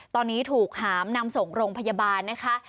ตอนนี้ถูกหามนำส่งโรงพยาบาลนะคะ